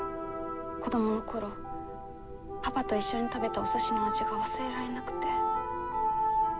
子供の頃パパと一緒に食べたおすしの味が忘れられなくて。